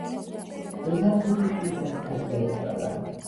დედა ხუთი წლისას გარდაეცვალა.